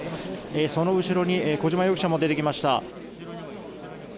その後ろに小島容疑者も出てきました。